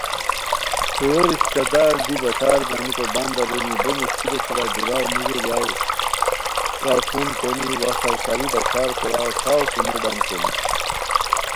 ݰویو رشتہ دار دی بشارگنیکو بند ارینی، بو مشکلو سورا دُورار موژو دیاؤ کافون کونی وا سرسری بشار کوراؤ ݰاؤ فونو بند کونی